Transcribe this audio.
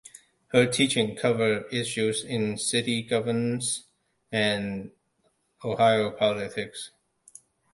Her teaching covered issues in city governance and Ohio politics.